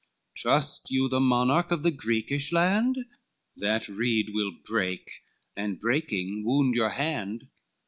Trust you the monarch of the Greekish land? That reed will break; and breaking, wound your hand.